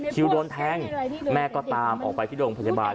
โดนแทงแม่ก็ตามออกไปที่โรงพยาบาล